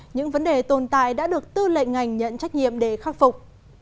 những vấn đề tồn tại đã được tư lệnh ngành nhận trách nhiệm để khắc phục